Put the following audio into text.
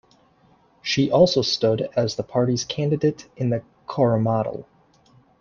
She also stood as the party's candidate in the Coromandel.